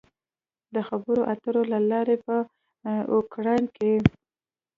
د خبرو اترو له لارې په اوکراین کې